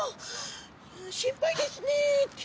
心配ですねって。